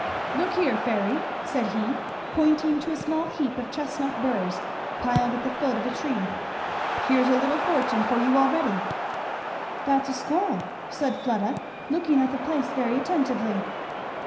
"Look here, Fairy," said he, pointing to a small heap of chestnut burs piled at the foot of a tree, "here's a little fortune for you already." "That's a squirrel!" said Fleda, looking at the place very attentively.